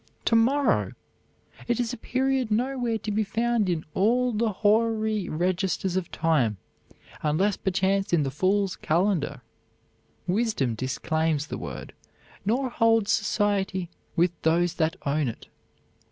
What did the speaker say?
To morrow! it is a period nowhere to be found in all the hoary registers of time, unless perchance in the fool's calendar. Wisdom disclaims the word, nor holds society with those that own it.